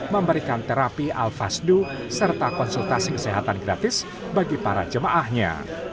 memberikan terapi al fasdu serta konsultasi kesehatan gratis bagi para jemaahnya